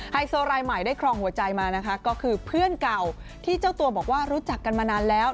ไฮโซรายใหม่ได้ครองหัวใจมานะคะก็คือเพื่อนเก่าที่เจ้าตัวบอกว่ารู้จักกันมานานแล้ว